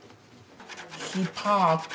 スパーク！